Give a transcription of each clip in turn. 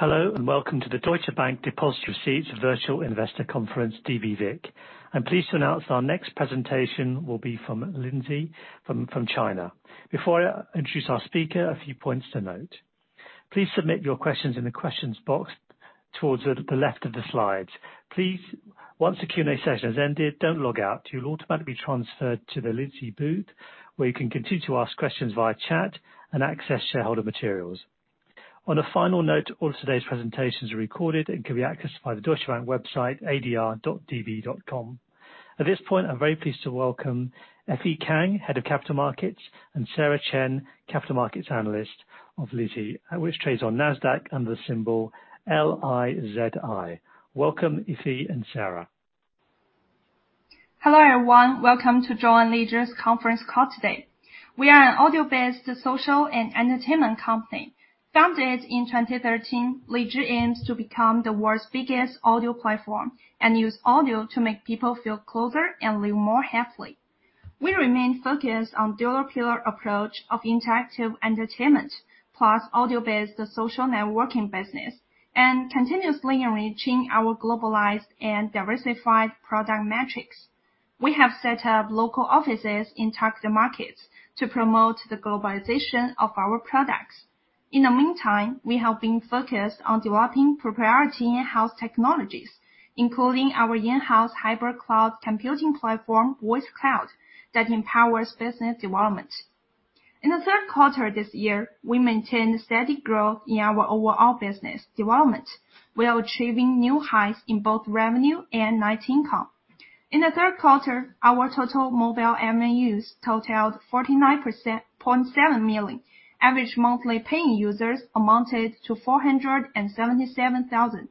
Hello, and welcome to the Deutsche Bank Deposit Receipts Virtual Investor Conference, DBVIC. I'm pleased to announce our next presentation will be from LIZHI from China. Before I introduce our speaker, a few points to note. Please submit your questions in the questions box towards the left of the slides. Please, once the Q&A session has ended, don't log out. You'll automatically be transferred to the LIZHI booth, where you can continue to ask questions via chat and access shareholder materials. On a final note, all of today's presentations are recorded and can be accessed by the Deutsche Bank website, adr.db.com. At this point, I'm very pleased to welcome Effy Kang, Head of Capital Markets, and Sarah Chen, Capital Markets Analyst of LIZHI, which trades on NASDAQ under the symbol LIZI. Welcome, Effy and Sarah. Hello, everyone. Welcome to join LIZHI's conference call today. We are an audio-based social and entertainment company. Founded in 2013, LIZHI aims to become the world's biggest audio platform, and use audio to make people feel closer and live more happily. We remain focused on dual-pillar approach of interactive entertainment, plus audio-based social networking business, and continuously enriching our globalized and diversified product matrix. We have set up local offices in target markets to promote the globalization of our products. In the meantime, we have been focused on developing proprietary in-house technologies, including our in-house hybrid cloud computing platform, Voice Cloud, that empowers business development. In the third quarter this year, we maintained steady growth in our overall business development. We are achieving new highs in both revenue and net income. In the third quarter, our total mobile MAUs totaled 49.7 million. Average monthly paying users amounted to 477,000.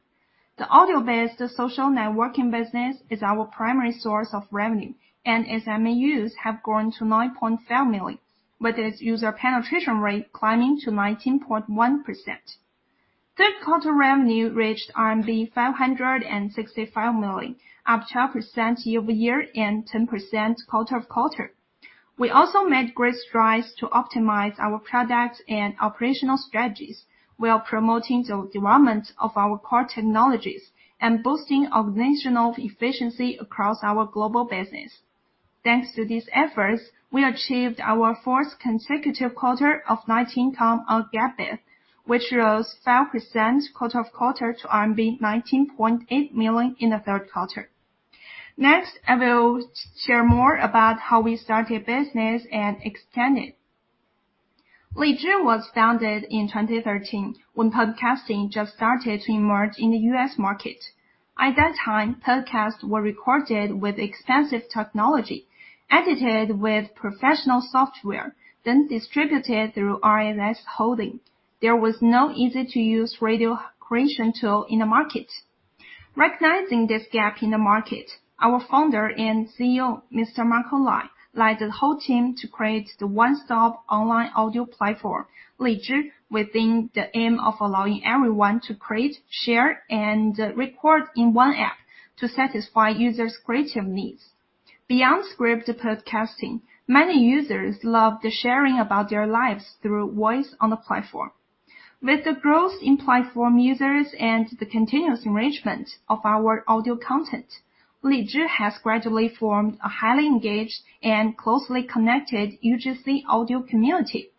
The audio-based social networking business is our primary source of revenue, and its MAUs have grown to 9.5 million, with its user penetration rate climbing to 19.1%. Third quarter revenue reached RMB 565 million, up 2% year-over-year and 10% quarter-over-quarter. We also made great strides to optimize our products and operational strategies. We are promoting the development of our core technologies and boosting organizational efficiency across our global business. Thanks to these efforts, we achieved our fourth consecutive quarter of net income on GAAP, which rose 5% quarter-over-quarter to RMB 19.8 million in the third quarter. Next, I will share more about how we started business and extended. LIZHI was founded in 2013 when podcasting just started to emerge in the US market. At that time, podcasts were recorded with expensive technology, edited with professional software, then distributed through RSS hosting. There was no easy-to-use radio creation tool in the market. Recognizing this gap in the market, our Founder and CEO, Mr. Marco Lai, led the whole team to create the one-stop online audio platform, LIZHI, with the aim of allowing everyone to create, share, and record in one app to satisfy users' creative needs. Beyond scripted podcasting, many users love the sharing about their lives through voice on the platform. With the growth in platform users and the continuous enrichment of our audio content, LIZHI has gradually formed a highly engaged and closely connected UGC audio community,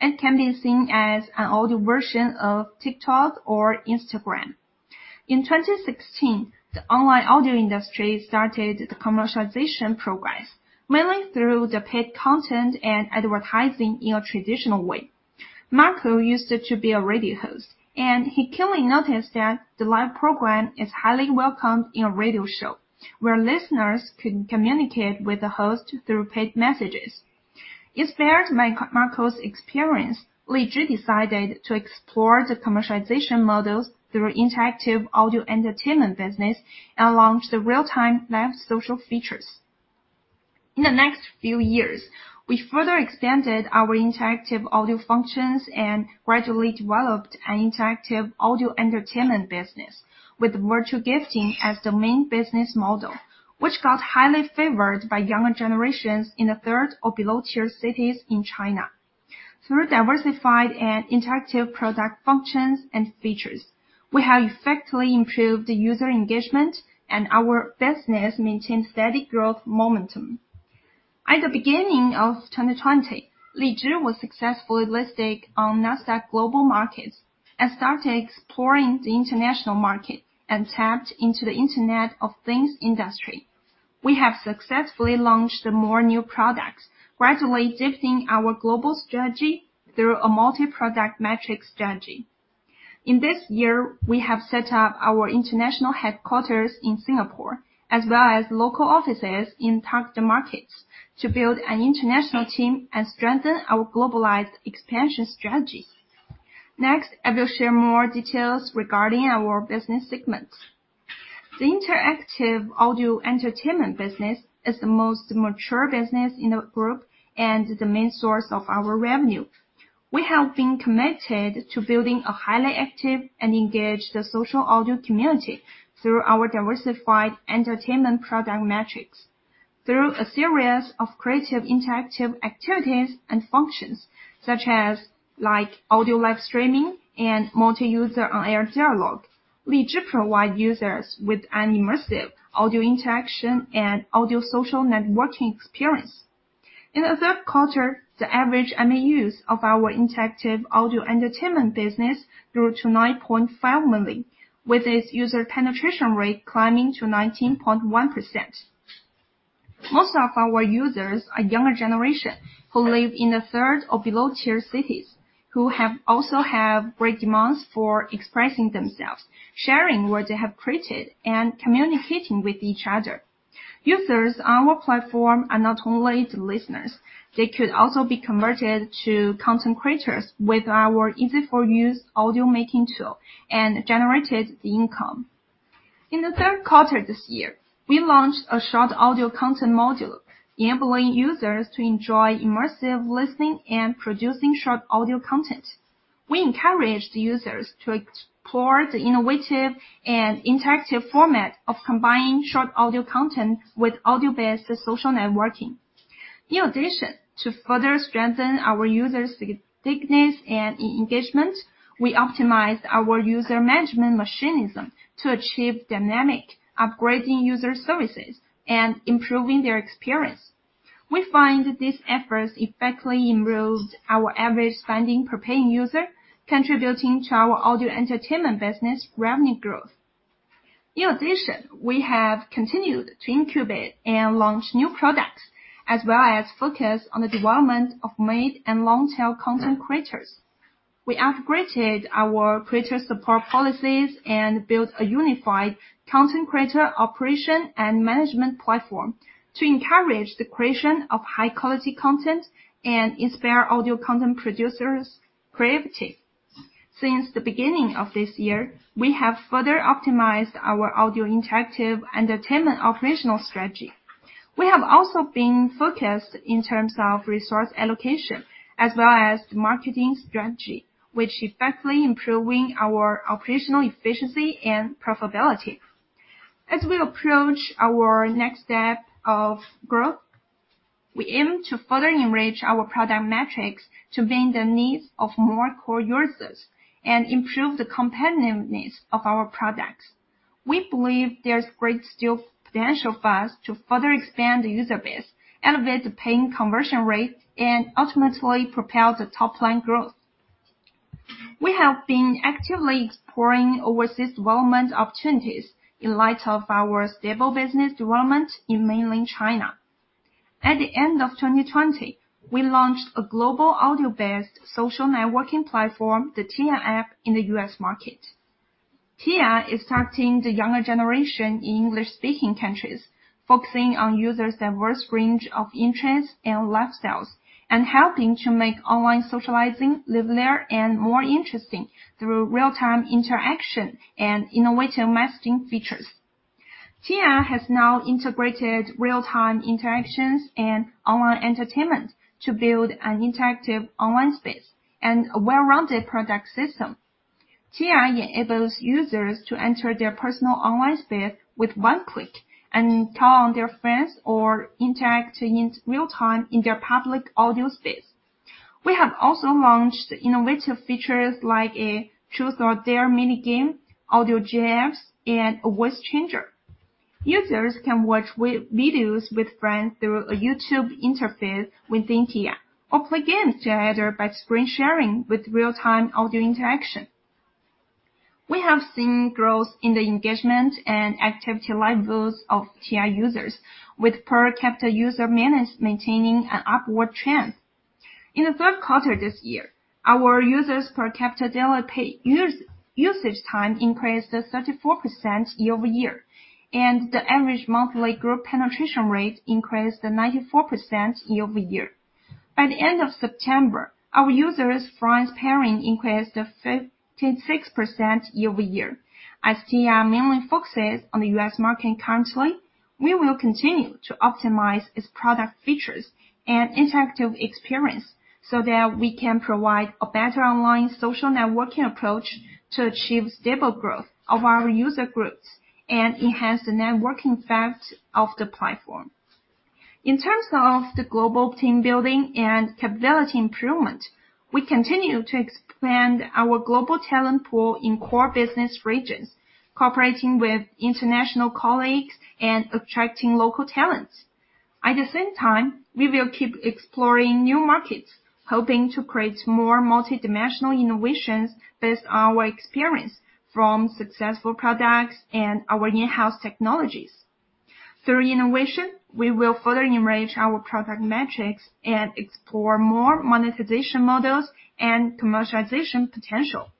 and can be seen as an audio version of TikTok or Instagram. In 2016, the online audio industry started the commercialization progress, mainly through the paid content and advertising in a traditional way. Marco used to be a radio host, and he keenly noticed that the live program is highly welcomed in a radio show, where listeners can communicate with the host through paid messages. Inspired by Marco's experience, LIZHI decided to explore the commercialization models through interactive audio entertainment business and launched the real-time live social features. In the next few years, we further extended our interactive audio functions and gradually developed an interactive audio entertainment business, with virtual gifting as the main business model, which got highly favored by younger generations in the third or below-tier cities in China. Through diversified and interactive product functions and features, we have effectively improved the user engagement, and our business maintained steady growth momentum. At the beginning of 2020, LIZHI was successfully listed on NASDAQ Global Market and started exploring the international market and tapped into the Internet of Things industry. We have successfully launched more new products, gradually shifting our global strategy through a multi-product matrix strategy. In this year, we have set up our international headquarters in Singapore, as well as local offices in target markets to build an international team and strengthen our globalized expansion strategy. Next, I will share more details regarding our business segments. The interactive audio entertainment business is the most mature business in the group and the main source of our revenue. We have been committed to building a highly active and engaged social audio community through our diversified entertainment product matrix. Through a series of creative interactive activities and functions, such as like audio live streaming and multi-user on-air dialogue, LIZHI provide users with an immersive audio interaction and audio social networking experience. In the third quarter, the average MAUs of our interactive audio entertainment business grew to 9.5 million, with its user penetration rate climbing to 19.1%. Most of our users are younger generation who live in the third or below-tier cities, who also have great demands for expressing themselves, sharing what they have created, and communicating with each other. Users on our platform are not only the listeners. They could also be converted to content creators with our easy-to-use audio-making tool and generate income. In the third quarter this year, we launched a short audio content module, enabling users to enjoy immersive listening and producing short audio content. We encouraged users to explore the innovative and interactive format of combining short audio content with audio-based social networking. In addition, to further strengthen our users' stickiness and engagement, we optimized our user management mechanism to achieve dynamic, upgrading user services, and improving their experience. We find these efforts effectively improved our average spending per paying user, contributing to our audio entertainment business revenue growth. In addition, we have continued to incubate and launch new products, as well as focus on the development of mid and long-tail content creators. We upgraded our creator support policies and built a unified content creator operation and management platform to encourage the creation of high-quality content and inspire audio content producers' creativity. Since the beginning of this year, we have further optimized our audio interactive entertainment operational strategy. We have also been focused in terms of resource allocation, as well as the marketing strategy, which effectively improving our operational efficiency and profitability. As we approach our next step of growth, we aim to further enrich our product metrics to meet the needs of more core users and improve the competitiveness of our products. We believe there's great still potential for us to further expand the user base, elevate the paying conversion rate, and ultimately propel the top-line growth. We have been actively exploring overseas development opportunities in light of our stable business development in mainland China. At the end of 2020, we launched a global audio-based social networking platform, the TIYA app, in the US market. TIYA is targeting the younger generation in English-speaking countries, focusing on users' diverse range of interests and lifestyles, and helping to make online socializing livelier and more interesting through real-time interaction and innovative messaging features. TIYA has now integrated real-time interactions and online entertainment to build an interactive online space and a well-rounded product system. TIYA enables users to enter their personal online space with one click and call on their friends or interact in real time in their public audio space. We have also launched innovative features like a truth or dare mini-game, audio jams, and a voice changer. Users can watch videos with friends through a YouTube interface within TIYA or play games together by screen sharing with real-time audio interaction. We have seen growth in the engagement and activity levels of TIYA users, with per capita user maintaining an upward trend. In the third quarter this year, our users per capita daily usage time increased 34% year-over-year, and the average monthly group penetration rate increased 94% year-over-year. By the end of September, our users friends pairing increased 56% year-over-year. As TIYA mainly focuses on the US market currently, we will continue to optimize its product features and interactive experience so that we can provide a better online social networking approach to achieve stable growth of our user groups and enhance the networking effect of the platform. In terms of the global team building and capability improvement, we continue to expand our global talent pool in core business regions, cooperating with international colleagues and attracting local talents. At the same time, we will keep exploring new markets, hoping to create more multidimensional innovations based on our experience from successful products and our in-house technologies. Through innovation, we will further enrich our product metrics and explore more monetization models and commercialization potential.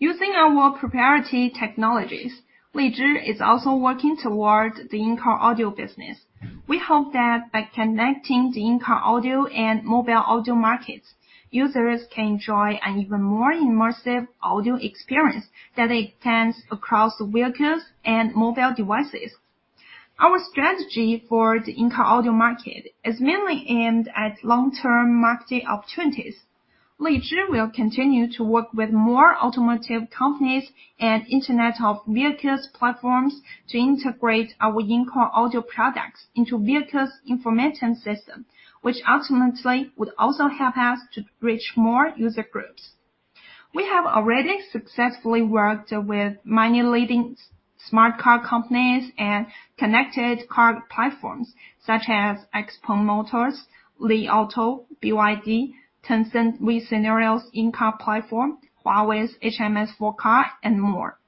Using our proprietary technologies, LIZHI is also working towards the in-car audio business. We hope that by connecting the in-car audio and mobile audio markets, users can enjoy an even more immersive audio experience that extends across vehicles and mobile devices. Our strategy for the in-car audio market is mainly aimed at long-term market opportunities. LIZHI will continue to work with more automotive companies and Internet of Vehicles platforms to integrate our in-car audio products into vehicles' information system, which ultimately would also help us to reach more user groups. We have already successfully worked with many leading smart car companies and connected car platforms such as Xpeng Motors, Li Auto, BYD, Tencent, WeScenario in-car platform, Huawei's HMS for Car, and more.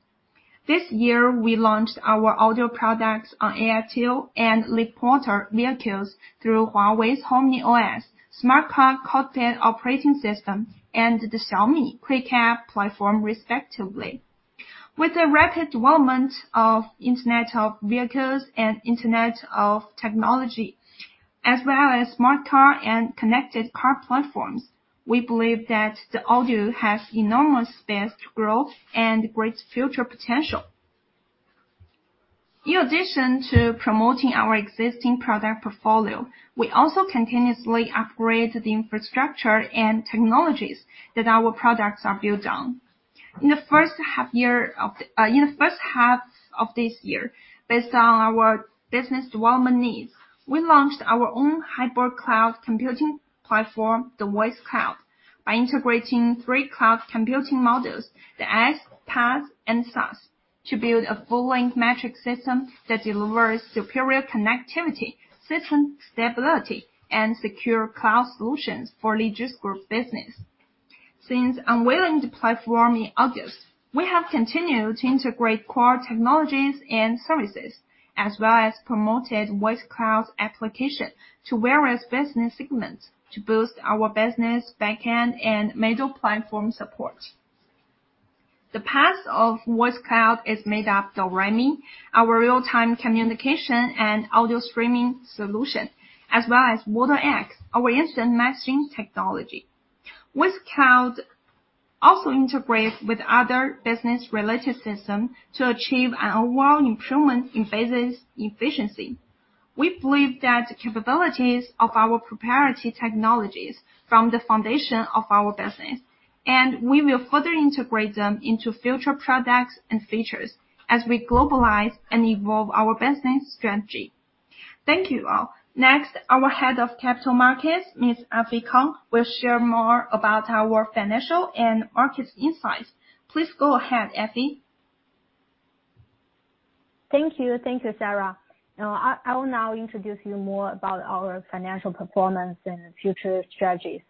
This year, we launched our audio products on AITO and reporter vehicles through Huawei's HarmonyOS, smart car cockpit operating system, and the Xiaomi Quick App platform respectively. With the rapid development of Internet of Vehicles and Internet of Technology, as well as smart car and connected car platforms, we believe that the audio has enormous space to grow and great future potential. In addition to promoting our existing product portfolio, we also continuously upgrade the infrastructure and technologies that our products are built on. In the first half of this year, based on our business development needs, we launched our own hybrid cloud computing platform, the Voice Cloud, by integrating three cloud computing models, the IaaS, PaaS, and SaaS, to build a full-stack metric system that delivers superior connectivity, system stability, and secure cloud solutions for LIZHI Group business. Since unveiling the platform in August, we have continued to integrate core technologies and services, as well as promoted Voice Cloud application to various business segments to boost our business backend and middle platform support. The PaaS of Voice Cloud is made up of REMI, our real-time communication and audio streaming solution, as well as WaterX, our instant messaging technology. Voice Cloud also integrates with other business-related systems to achieve an overall improvement in business efficiency. We believe that capabilities of our proprietary technologies form the foundation of our business, and we will further integrate them into future products and features as we globalize and evolve our business strategy. Thank you, all. Next, our Head of Capital Markets, Ms. Effy Kang, will share more about our financial and markets insights. Please go ahead, Effy. Thank you. Thank you, Sarah. I will now introduce you more about our financial performance and future strategies.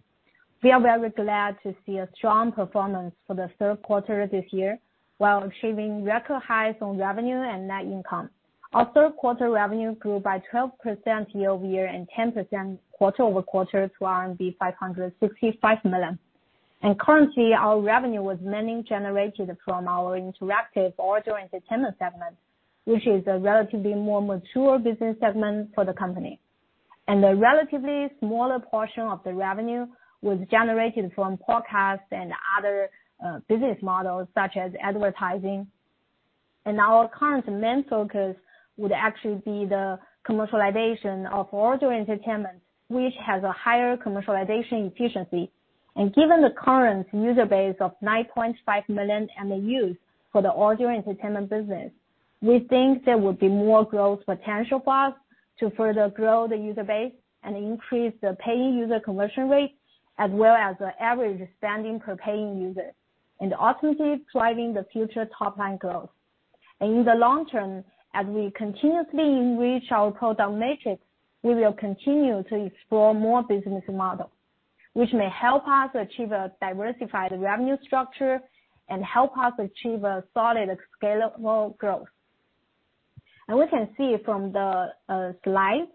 We are very glad to see a strong performance for the third quarter this year, while achieving record highs on revenue and net income. Our third quarter revenue grew by 12% year-over-year and 10% quarter-over-quarter to RMB 565 million. Currently, our revenue was mainly generated from our interactive audio entertainment segment, which is a relatively more mature business segment for the company. A relatively smaller portion of the revenue was generated from podcasts and other business models such as advertising. Our current main focus would actually be the commercialization of audio entertainment, which has a higher commercialization efficiency. Given the current user base of 9.5 million MAUs for the audio entertainment business, we think there will be more growth potential for us to further grow the user base and increase the paying user conversion rate, as well as the average spending per paying user, and ultimately driving the future top-line growth. In the long term, as we continuously enrich our product matrix, we will continue to explore more business models, which may help us achieve a diversified revenue structure and help us achieve a solid scalable growth. We can see from the slide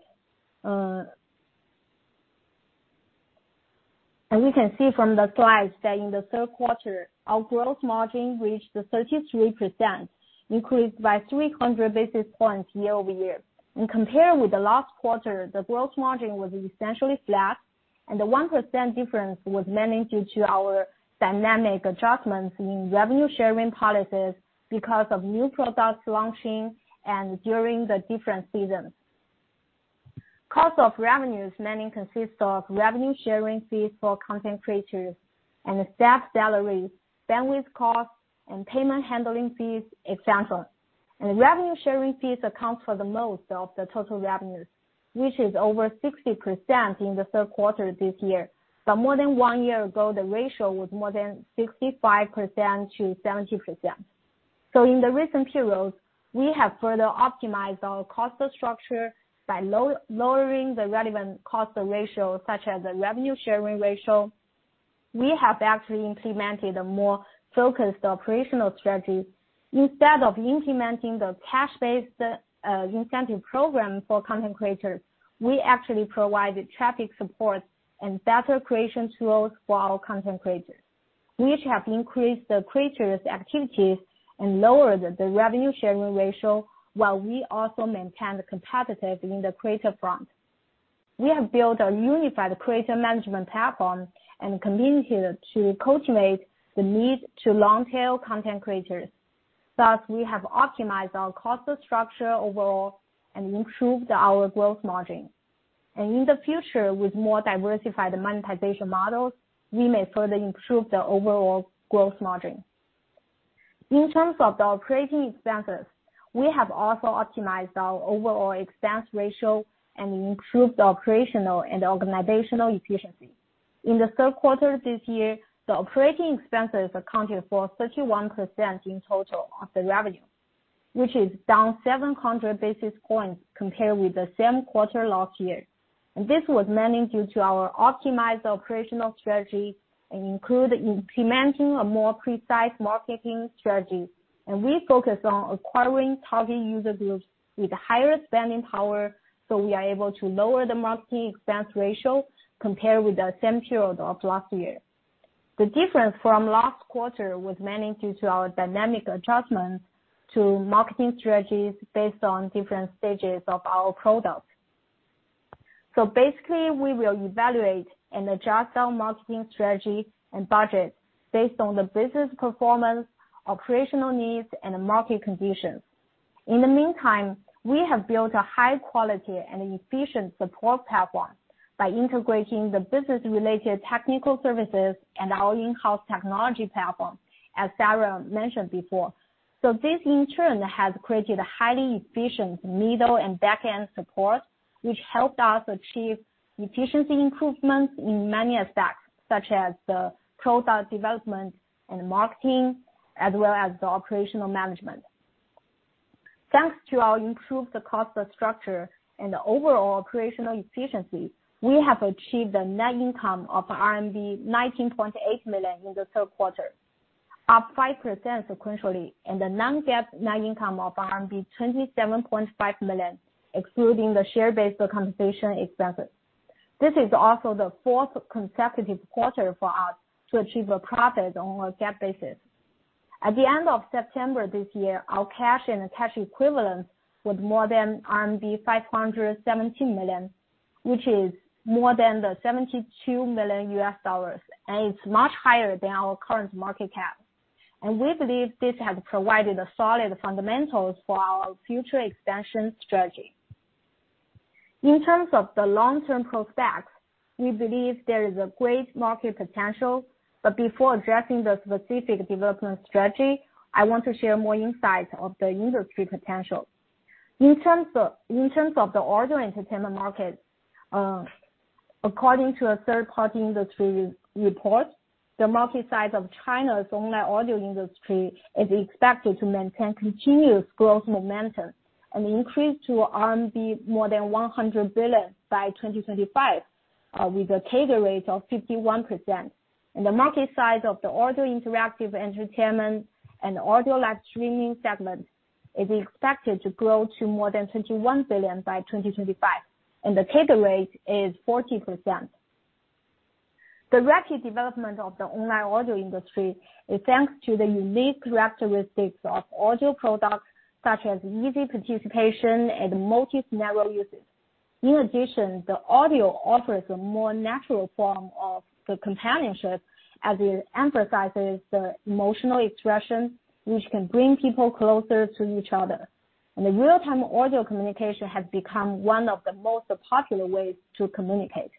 that in the third quarter, our gross margin reached the 33%, increased by 300 basis points year-over-year. In compare with the last quarter, the gross margin was essentially flat, and the 1% difference was mainly due to our dynamic adjustments in revenue sharing policies because of new products launching and during the different seasons. Cost of revenues mainly consist of revenue sharing fees for content creators and staff salaries, bandwidth costs, and payment handling fees, et cetera. Revenue sharing fees accounts for the most of the total revenues, which is over 60% in the third quarter this year. More than one year ago, the ratio was more than 65% to 70%. In the recent periods, we have further optimized our cost structure by lowering the relevant cost ratio, such as the revenue sharing ratio. We have actually implemented a more focused operational strategy. Instead of implementing the cash-based incentive program for content creators, we actually provided traffic support and better creation tools for our content creators, which have increased the creators' activities and lowered the revenue sharing ratio, while we also maintain the competitive in the creator front. We have built a unified creator management platform and community to cultivate the mid- to long-tail content creators. Thus, we have optimized our cost structure overall and improved our gross margin. In the future, with more diversified monetization models, we may further improve the overall gross margin. In terms of the operating expenses, we have also optimized our overall expense ratio and improved the operational and organizational efficiency. In the third quarter this year, the operating expenses accounted for 31% in total of the revenue, which is down 700 basis points compared with the same quarter last year. This was mainly due to our optimized operational strategy and include implementing a more precise marketing strategy. We focus on acquiring target user groups with higher spending power, so we are able to lower the marketing expense ratio compared with the same period of last year. The difference from last quarter was mainly due to our dynamic adjustments to marketing strategies based on different stages of our product. Basically, we will evaluate and adjust our marketing strategy and budget based on the business performance, operational needs, and market conditions. In the meantime, we have built a high-quality and efficient support platform by integrating the business-related technical services and our in-house technology platform, as Sarah mentioned before. This in turn has created a highly efficient middle and back-end support, which helped us achieve efficiency improvements in many aspects, such as the product development and marketing, as well as the operational management. Thanks to our improved cost structure and overall operational efficiency, we have achieved a net income of RMB 19.8 million in the third quarter, up 5% sequentially, and a non-GAAP net income of RMB 27.5 million, excluding the share-based compensation expenses. This is also the fourth consecutive quarter for us to achieve a profit on a GAAP basis. At the end of September this year, our cash and cash equivalents was more than RMB 517 million, which is more than the $72 million, and it's much higher than our current market cap. We believe this has provided a solid fundamentals for our future expansion strategy. In terms of the long-term prospects, we believe there is a great market potential, but before addressing the specific development strategy, I want to share more insights of the industry potential. In terms of the audio entertainment market, according to a third-party industry report, the market size of China's online audio industry is expected to maintain continuous growth momentum and increase to CNY more than 100 billion by 2025, with a CAGR rate of 51%. The market size of the audio interactive entertainment and audio live streaming segment is expected to grow to more than 21 billion by 2025, and the CAGR rate is 40%. The rapid development of the online audio industry is thanks to the unique characteristics of audio products, such as easy participation and multi-scenario uses. In addition, the audio offers a more natural form of the companionship as it emphasizes the emotional expression, which can bring people closer to each other. The real-time audio communication has become one of the most popular ways to communicate.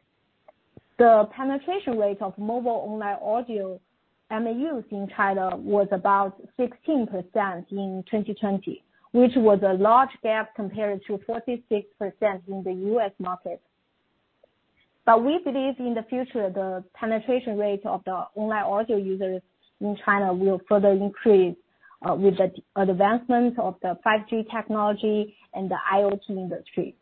The penetration rate of mobile online audio MAUs in China was about 16% in 2020, which was a large gap compared to 46% in the US market. We believe in the future, the penetration rate of the online audio users in China will further increase with the advancement of the 5G technology and the IoT industry.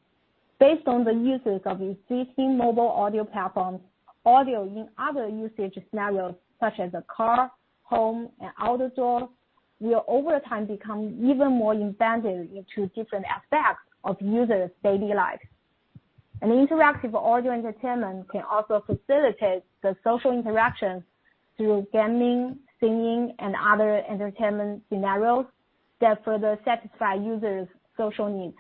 Based on the uses of existing mobile audio platforms, audio in other usage scenarios, such as a car, home, and outdoor, will over time become even more embedded into different aspects of users' daily life. An interactive audio entertainment can also facilitate the social interactions through gaming, singing, and other entertainment scenarios that further satisfy users' social needs.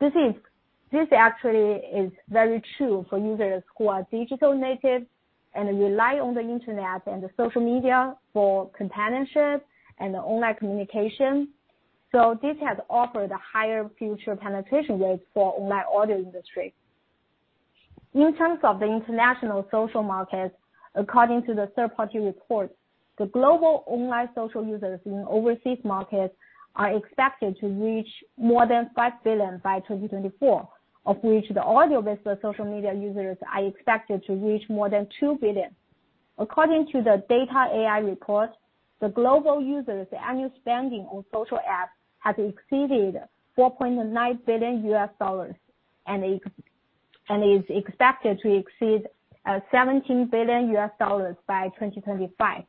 This actually is very true for users who are digital natives and rely on the internet and the social media for companionship and online communication. This has offered a higher future penetration rate for online audio industry. In terms of the international social markets, according to the third-party reports, the global online social users in overseas markets are expected to reach more than 5 billion by 2024, of which the audio-based social media users are expected to reach more than 2 billion. According to the data.ai report, the global users' annual spending on social apps has exceeded $4.9 billion and is expected to exceed $17 billion by 2025.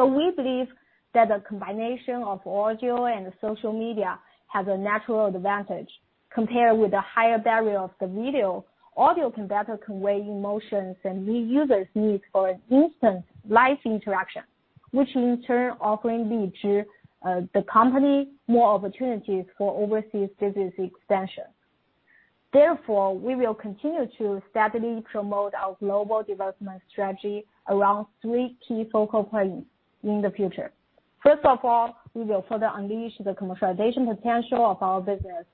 We believe that a combination of audio and social media has a natural advantage compared with the higher barrier of the video. Audio can better convey emotions and meet users' needs for an instant live interaction, which in turn offering LIZHI the company more opportunities for overseas business expansion. Therefore, we will continue to steadily promote our global development strategy around three key focal points in the future. First of all, we will further unleash the commercialization potential of our business,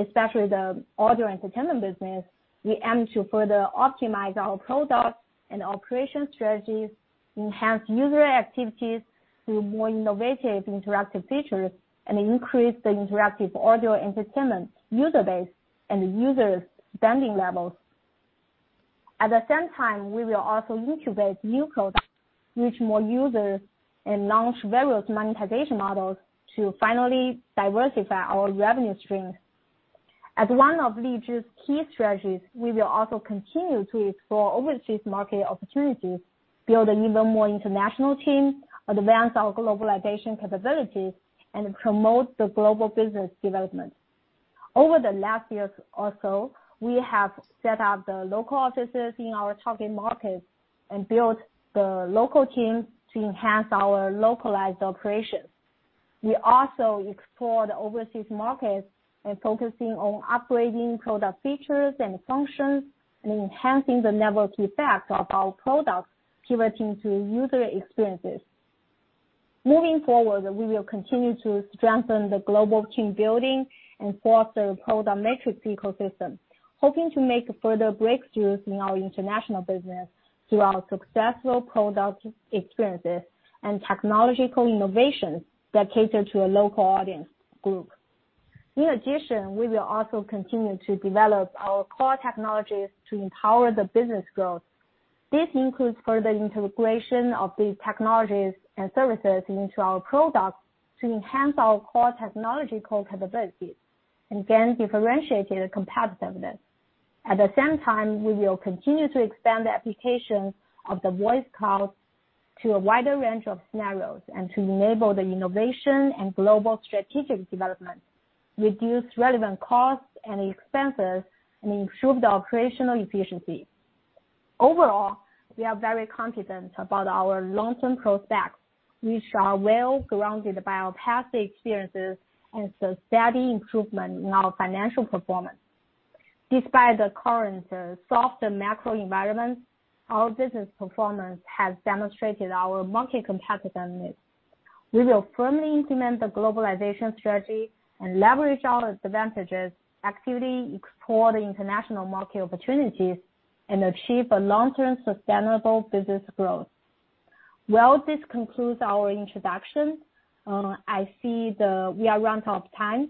especially the audio entertainment business. We aim to further optimize our products and operation strategies, enhance user activities through more innovative interactive features, and increase the interactive audio entertainment user base and user spending levels. At the same time, we will also incubate new products, reach more users, and launch various monetization models to finally diversify our revenue streams. As one of LIZHI's key strategies, we will also continue to explore overseas market opportunities, build an even more international team, advance our globalization capabilities, and promote the global business development. Over the last years or so, we have set up the local offices in our target markets and built the local teams to enhance our localized operations. We also explore the overseas markets and focusing on upgrading product features and functions, and enhancing the network effects of our products pivoting to user experiences. Moving forward, we will continue to strengthen the global team building and foster product matrix ecosystem, hoping to make further breakthroughs in our international business through our successful product experiences and technological innovations that cater to a local audience group. In addition, we will also continue to develop our core technologies to empower the business growth. This includes further integration of these technologies and services into our products to enhance our core technological capabilities, again, differentiating the competitiveness. At the same time, we will continue to expand the application of the Voice Cloud to a wider range of scenarios and to enable the innovation and global strategic development, reduce relevant costs and expenses, and improve the operational efficiency. Overall, we are very confident about our long-term prospects, which are well grounded by our past experiences and the steady improvement in our financial performance. Despite the current softer macro environment, our business performance has demonstrated our market competitiveness. We will firmly implement the globalization strategy and leverage our advantages, actively explore the international market opportunities, and achieve a long-term sustainable business growth. Well, this concludes our introduction. I see we are run out of time.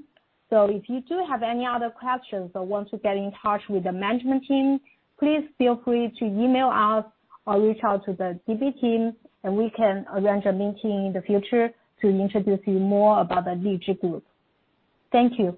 If you do have any other questions or want to get in touch with the management team, please feel free to email us or reach out to the D.B. team, and we can arrange a meeting in the future to introduce you more about the LIZHI Group. Thank you.